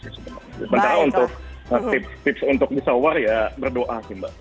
sementara untuk tips untuk bisa war ya berdoa sih mbak